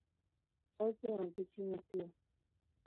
chaypi ampichina tiyan